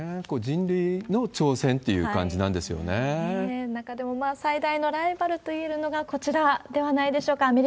これ、人類の挑戦っていう感じな中でも最大のライバルといえるのが、こちらではないでしょうか。